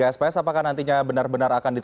ada teman teman yang rajin menggeruduk